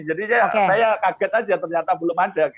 jadi saya kaget saja ternyata belum ada